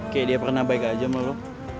kayak dia pernah baik aja sama lo